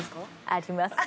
あります。